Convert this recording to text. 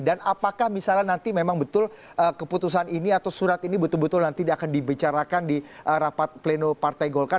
dan apakah misalnya nanti memang betul keputusan ini atau surat ini betul betul nanti akan dibicarakan di rapat pleno partai golkar